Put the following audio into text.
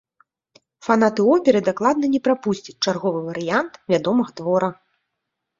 Фанаты оперы дакладна не прапусцяць чарговы варыянт вядомага твора.